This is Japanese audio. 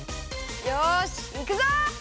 よしいくぞ！